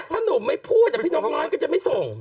ถ้าหนุ่มไม่พูดพี่น้องน้อยก็จะไม่ส่ง